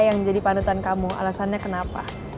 yang jadi panutan kamu alasannya kenapa